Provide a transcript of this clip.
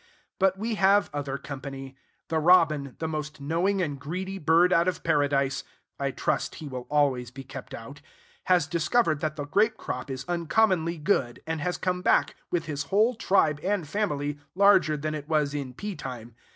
But we have other company. The robin, the most knowing and greedy bird out of paradise (I trust he will always be kept out), has discovered that the grape crop is uncommonly good, and has come back, with his whole tribe and family, larger than it was in pea time.